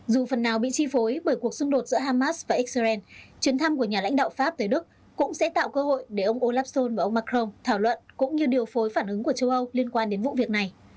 dù phần nào bị chi phối bởi cuộc xung đột giữa hamas và israel chuyến thăm của nhà lãnh đạo pháp tới đức cũng sẽ tạo cơ hội để ông olaf schol và ông macron thảo luận cũng như điều phối phản ứng của châu âu liên quan đến vụ việc này